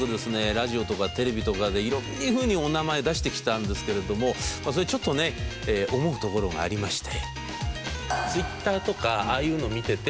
ラジオとかテレビとかで色んなふうにお名前出してきたんですけれどもまあそれちょっとね思うところがありまして。